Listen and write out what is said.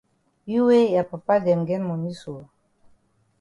You wey ya papa dem get moni so!